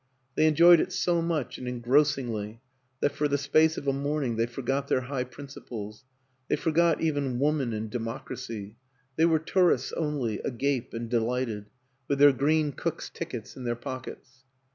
They enjoyed it so much and engrossingly that for the space of a morning they forgot their high principles, they forgot even Woman and Democ racy; they were tourists only, agape and delighted, with their green Cook's tickets in their pockets.